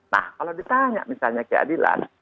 nah kalau ditanya misalnya keadilan